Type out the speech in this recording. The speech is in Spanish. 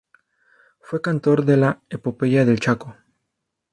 Fue cantor de la epopeya del Chaco.